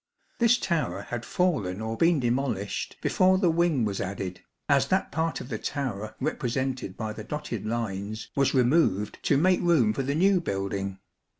This tower had fallen or been demolished before the wing was added, as that part of the tower represented by the dotted lines was removed to make room for the new building.